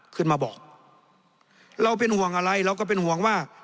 ขึ้นมาบอกเราเป็นห่วงอะไรเราก็เป็นห่วงว่า